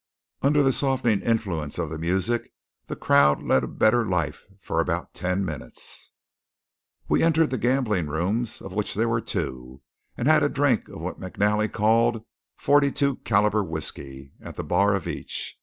Under the softening influence of the music the crowd led a better life for about ten minutes. We entered the gambling rooms, of which there were two, and had a drink of what McNally called "42 calibre whiskey" at the bar of each.